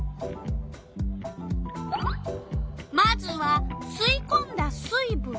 まずは「すいこんだ水ぶん」？